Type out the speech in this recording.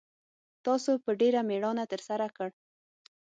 تاسو په ډېره میړانه ترسره کړ